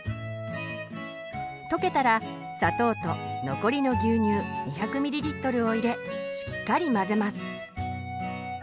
溶けたら砂糖と残りの牛乳２００ｍｌを入れしっかり混ぜます。